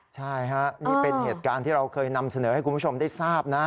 ใช่ฮะนี่เป็นเหตุการณ์ที่เราเคยนำเสนอให้คุณผู้ชมได้ทราบนะ